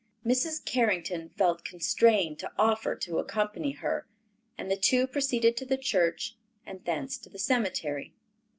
Mrs. Carrington felt constrained to offer to accompany her, and the two proceeded to the church and thence to the cemetery.